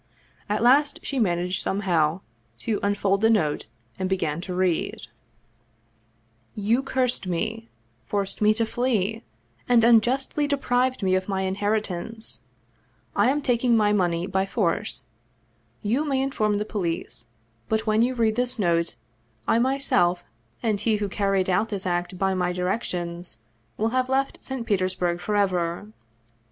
At last she managed somehow to unfold the note, and be gan to read: " You cursed me, forced me to flee, and unjustly de prived me of my inheritance. I am taking my money by 200 Vsevolod Vladimir witch Krestovski force. You may inform the police, but when you read this note, I myself and he who carried out this act by my directions, will have left St. Petersburg forever.